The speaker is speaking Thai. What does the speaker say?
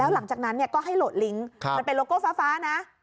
หลังจากนั้นก็ให้โหลดลิงค์มันเป็นโลโก้ฟ้านะ